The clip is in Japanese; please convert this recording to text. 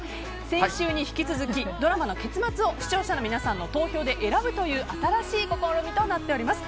先週に引き続きドラマの結末を視聴者の皆さんの投票で選ぶという新しい試みとなっています。